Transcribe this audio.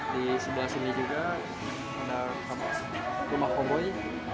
di sebelah sini juga ada rumah komboi